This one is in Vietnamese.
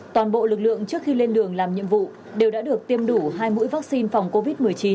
toàn bộ lực lượng trước khi lên đường làm nhiệm vụ đều đã được tiêm đủ hai mũi vaccine phòng covid một mươi chín